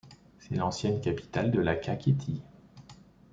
C'est l'ancienne capitale de la Kakhétie.